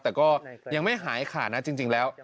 แต่ก็ยังไม่หายขาดนะจริงแล้ว